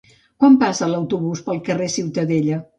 Quan passa l'autobús pel carrer Ciutadella?